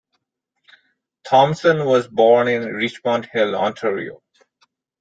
Thomson was born in Richmond Hill, Ontario.